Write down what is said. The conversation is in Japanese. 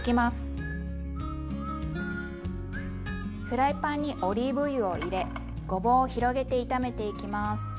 フライパンにオリーブ油を入れごぼうを広げて炒めていきます。